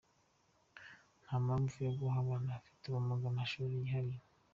Nta mpamvu yo guha abana bafite ubumuga amashuri yihariye.